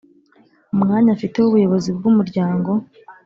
umwanya afite w'ubuyobozi bw'umuryango?